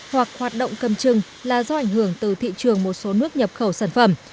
hoặc hoạt động cầm chừng là do ảnh hưởng từ thị trường một số nước nhập khẩu sản phẩm